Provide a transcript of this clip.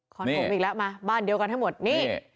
ผมอีกแล้วมาบ้านเดียวกันทั้งหมดนี่